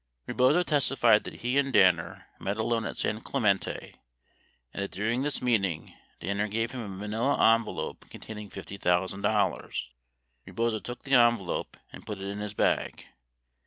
98 Rebozo testified that he and Danner met alone at San Clemente and that during this meeting, Danner gave him a manila envelope con taining $50,000." Rebozo took the envelope and put it in his bag.